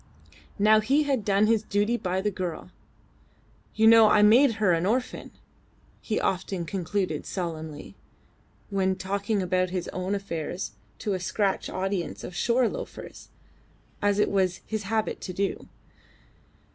Now he had done his duty by the girl. "You know I made her an orphan," he often concluded solemnly, when talking about his own affairs to a scratch audience of shore loafers as it was his habit to do.